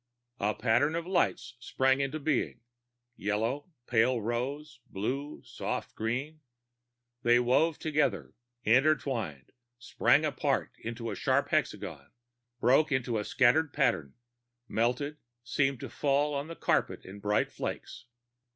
A pattern of lights sprang into being yellow, pale rose, blue, soft green. They wove together, intertwined, sprang apart into a sharp hexagon, broke into a scatter pattern, melted, seemed to fall to the carpet in bright flakes.